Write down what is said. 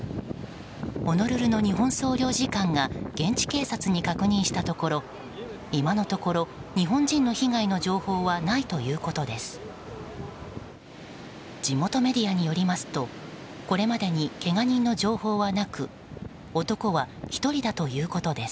ホノルルの日本総領事館が現地警察に確認したところ今のところ日本人の被害の情報はないということです。